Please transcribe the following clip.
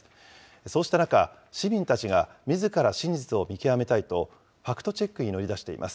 そうした中、市民たちが、みずから真実を見極めたいと、ファクトチェックに乗り出しています。